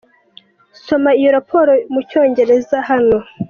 Soma iyo Raporo mu cyongereza hano